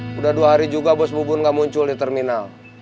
sudah dua hari juga bus bubun nggak muncul di terminal